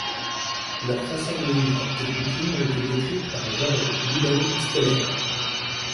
Leurs façons de vivre et coutumes ont été décrites par Georg Wilhelm Steller.